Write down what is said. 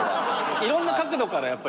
いろんな角度からやっぱり。